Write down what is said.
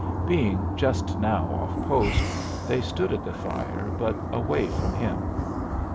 Being just now off post, they stood at the fire, but away from him.